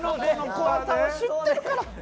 怖さを知っているから。